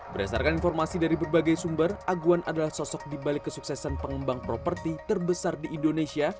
berdasarkan informasi dari berbagai sumber aguan adalah sosok dibalik kesuksesan pengembang properti terbesar di indonesia